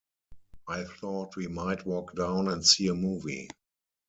I thought we might walk down and see a movie.